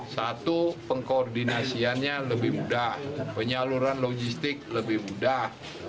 satu pengkoordinasiannya lebih mudah penyaluran logistik lebih mudah